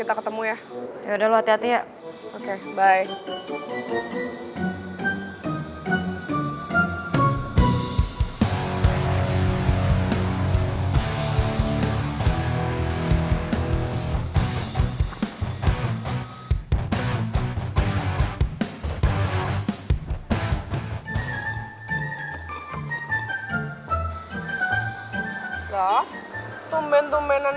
mama mau nelfon om herman